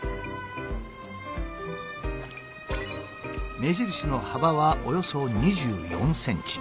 目印の幅はおよそ２４ｃｍ。